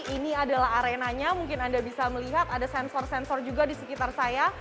ini adalah arenanya mungkin anda bisa melihat ada sensor sensor juga di sekitar saya